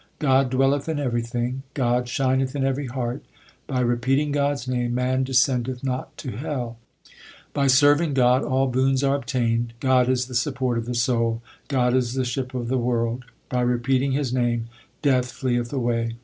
God dwelleth in everything ; God sbineth in every heart. By repeating God s name man descendeth not to hell ; By serving God all boons are obtained. God is the support of the soul ; God is the ship of the world. By repeating His name Death fleeth away.